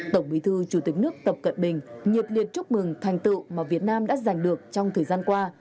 tổng bí thư chủ tịch nước tập cận bình nhiệt liệt chúc mừng thành tựu mà việt nam đã giành được trong thời gian qua